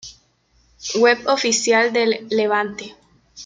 Web oficial del Levante